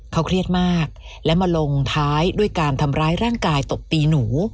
เขาเครียดมากและมาลงท้ายด้วยการทำร้ายร่างกายตบตีหนู